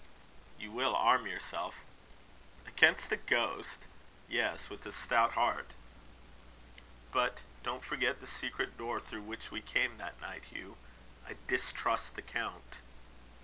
"You will arm yourself?" "Against a ghost? Yes, with a stout heart." "But don't forget the secret door through which we came that night, Hugh. I distrust the count."